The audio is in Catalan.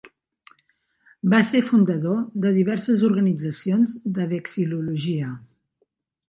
Va ser fundador de diverses organitzacions de vexil·lologia.